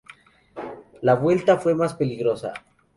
La vuelta fue más peligrosa.